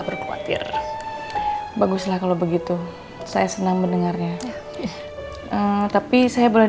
berkuatir baguslah kalau begitu saya senang mendengarnya tapi saya boleh